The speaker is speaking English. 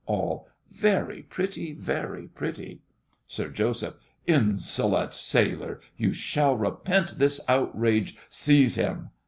ALL. Very pretty, very pretty! SIR JOSEPH. Insolent sailor, you shall repent this outrage. Seize him!